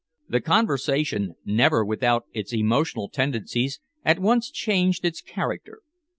The conversation, never without its emotional tendencies, at once changed its character.